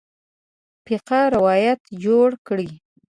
فقیه روایت جوړ کړی.